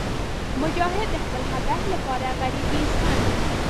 مجاهد د خپل هدف لپاره غریبۍ زغمي.